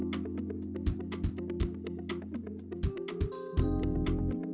aku pengen lagi di cilang